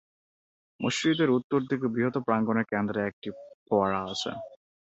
মসজিদের উত্তর দিকে বৃহৎ প্রাঙ্গণের কেন্দ্রে একটি ফোয়ারা আছে।